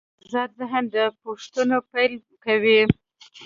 آزاد ذهن له پوښتنې پیل کوي.